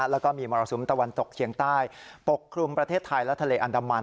แล้วก็มีมรสุมตะวันตกเชียงใต้ปกคลุมประเทศไทยและทะเลอันดามัน